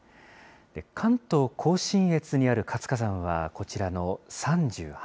関東甲信越にある活火山はこちらの３８。